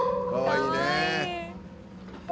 かわいい。